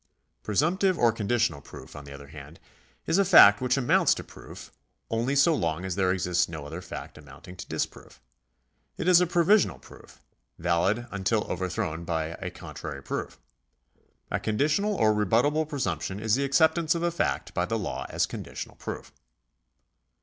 Presumptive or conditional proof, on the other hand, is a fact which amounts to proof, only so long as there exists no other fact amounting to disproof. It is a provisional proof, valid until overthrown by contrary proof. A conditional or rebuttable presumption is the acceptance of a fact by the law as conditional proof.